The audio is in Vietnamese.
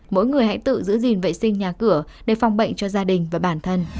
mỗi người hãy tự giữ gìn vệ sinh nhà cửa để phòng bệnh cho gia đình và bản thân